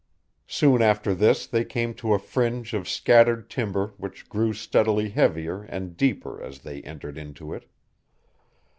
Soon after this they came to a fringe of scattered timber which grew steadily heavier and deeper as they entered into it.